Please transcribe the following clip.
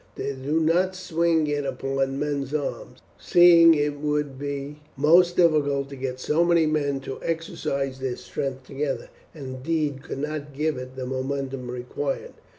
They do not swing it upon men's arms, seeing that it would be most difficult to get so many men to exercise their strength together, and indeed could not give it the momentum required."